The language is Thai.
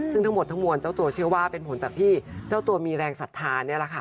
ซึ่งทั้งหมดทั้งมวลเจ้าตัวเชื่อว่าเป็นผลจากที่เจ้าตัวมีแรงศรัทธานี่แหละค่ะ